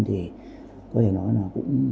thì có thể nói là cũng